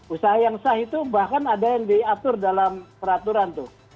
usaha yang sah itu bahkan ada yang diatur dalam peraturan tuh